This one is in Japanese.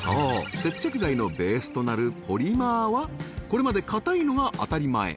接着剤のベースとなるポリマーはこれまで硬いのが当たり前！